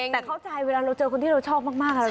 แต่เข้าใจเวลาเราเจอคนที่เราชอบมากอะไรเกร็ง